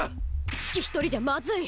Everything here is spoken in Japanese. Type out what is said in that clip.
シキ一人じゃまずい！